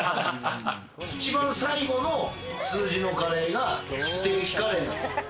一番最後の数字のカレーがステーキかれーなんですよ。